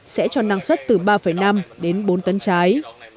sẽ cho năng suất từ ba năm đến bốn tấn trái